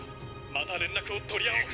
また連絡を取り合おう――」。